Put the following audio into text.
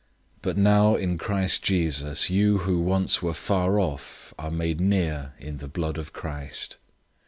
002:013 But now in Christ Jesus you who once were far off are made near in the blood of Christ.